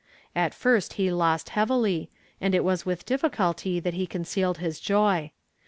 At first he lost heavily, and it was with difficulty that he concealed his joy.